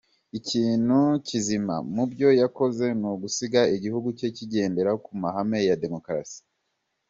Ikintu kizima mubyo yakoze nugusiga igihugu cye kigendera ku mahame ya demokarasi.